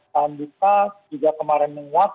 saham buka juga kemarin menguap